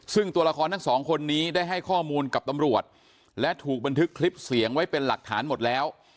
ซึ่งตัวละครทั้งสองคนนี้ได้ให้ข้อมูลกับตำรวจและถูกบันทึกคลิปเสียงไว้เป็นหลักฐานหมดแล้ว